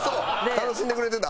楽しんでくれてた？